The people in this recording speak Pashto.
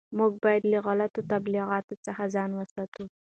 موږ باید له غلطو تبلیغاتو څخه ځان وساتو.